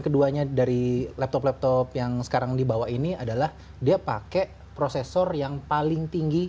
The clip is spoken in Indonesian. keduanya dari laptop laptop yang sekarang dibawa ini adalah dia pakai prosesor yang paling tinggi